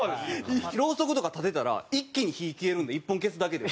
ろうそくとか立てたら一気に火消えるんで１本消すだけで。